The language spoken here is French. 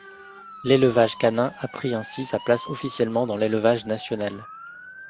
L'élevage canin a pris ainsi sa place officiellement dans l'Élevage National.